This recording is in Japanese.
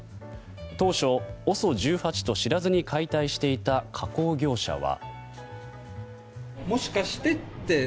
当初、ＯＳＯ１８と知らずに解体していた加工業者は。